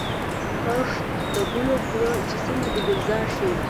کښت د ګلو کړه چي سیمه دي ګلزار سي